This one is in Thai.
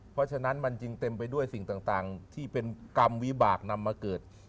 เพราะฉะนั้นมันจึงเต็มไปด้วยสิ่งต่างที่เป็นกรรมวิบากนำมาเกิด